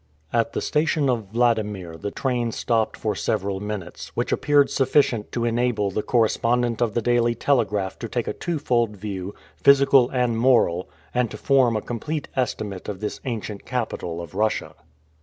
At the station of Wladimir the train stopped for several minutes, which appeared sufficient to enable the correspondent of the Daily Telegraph to take a twofold view, physical and moral, and to form a complete estimate of this ancient capital of Russia.